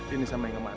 ini sama yang kemarin